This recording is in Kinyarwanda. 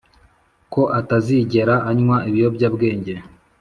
ko atazigera anywa ibiyobyabwenge